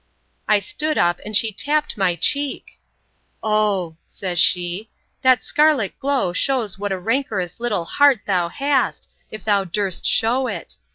I stood up, and she tapped my cheek! Oh, says she, that scarlet glow shews what a rancorous little heart thou hast, if thou durst shew it!